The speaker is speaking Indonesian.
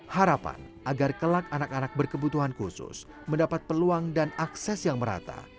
harapan agar kelak anak anak berkebutuhan khusus mendapat peluang dan akses yang merata